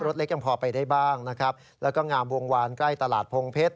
เล็กยังพอไปได้บ้างนะครับแล้วก็งามวงวานใกล้ตลาดพงเพชร